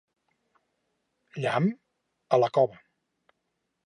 Llamp? A la cova!